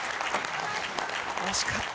惜しかった。